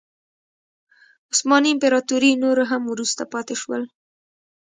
عثماني امپراتوري نور هم وروسته پاتې شول.